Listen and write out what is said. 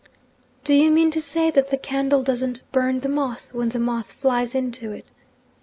'Do you mean to say that the candle doesn't burn the moth, when the moth flies into it?'